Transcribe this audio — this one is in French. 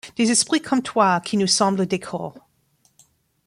des esprits comme toi qui nous semblent des corps